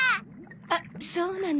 あっそうなの。